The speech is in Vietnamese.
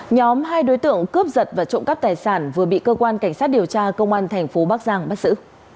nhóm hai đối tượng cướp giật và trộm cắp tài sản vừa bị cơ quan cảnh sát điều tra công an tp bắc giang bắt xử